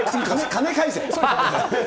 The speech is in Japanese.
金返せ。